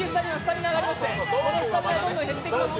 このスタミナどんどん減っていきます